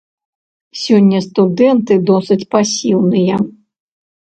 Сёння студэнты досыць пасіўныя.